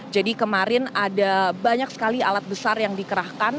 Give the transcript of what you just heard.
jadi kemarin ada banyak sekali alat besar yang dikerahkan